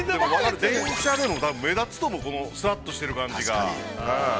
◆電車で、目立つもん、このすらっとしてる感じが。